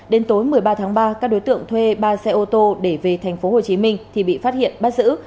đến tối một mươi ba tháng ba các đối tượng thuê ba xe ô tô để về tp hcm thì bị phát hiện bắt giữ